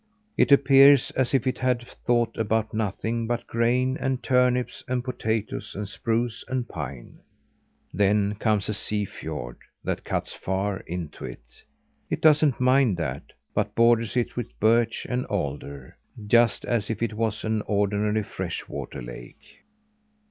It appears as if it had thought about nothing but grain and turnips and potatoes and spruce and pine. Then comes a sea fiord that cuts far into it. It doesn't mind that, but borders it with birch and alder, just as if it was an ordinary fresh water lake.